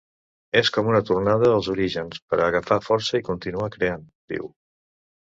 És com una tornada als orígens per a agafar força i continuar creant, diu.